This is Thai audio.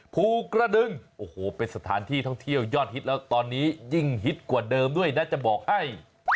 ภูกระดึงโอ้โหเป็นสถานที่ท่องเที่ยวยอดฮิตแล้วตอนนี้ยิ่งฮิตกว่าเดิมด้วยนะจะบอกให้